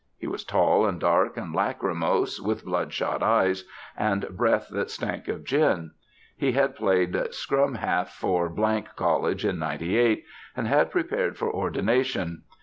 He was tall and dark and lachrymose, with bloodshot eyes, and breath that stank of gin. He had played scrum half for College in '98; and had prepared for ordination.